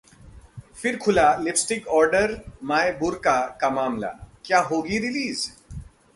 फिर खुला lipstick under my Burkha का मामला, क्या होगी रिलीज!